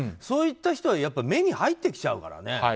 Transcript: そういった人は目に入ってきちゃうからね。